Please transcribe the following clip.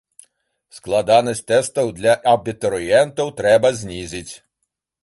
Складанасць тэстаў для абітурыентаў трэба знізіць.